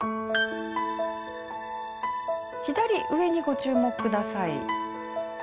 左上にご注目ください。